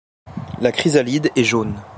La chrysalide est jaune.